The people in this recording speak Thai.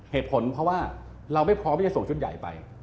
เหตุผลเพราะว่าเราไม่พร้อมที่จะส่งชุดใหญ่ไป